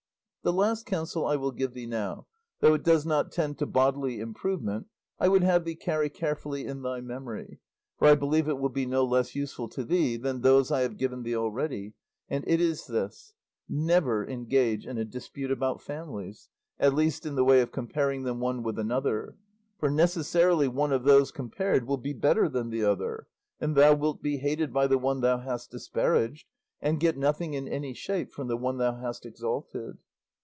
"The last counsel I will give thee now, though it does not tend to bodily improvement, I would have thee carry carefully in thy memory, for I believe it will be no less useful to thee than those I have given thee already, and it is this never engage in a dispute about families, at least in the way of comparing them one with another; for necessarily one of those compared will be better than the other, and thou wilt be hated by the one thou hast disparaged, and get nothing in any shape from the one thou hast exalted.